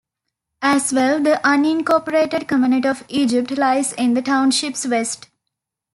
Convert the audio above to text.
As well, the unincorporated community of Egypt lies in the township's west.